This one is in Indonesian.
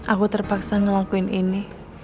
aku terpaksa ngelakuin ini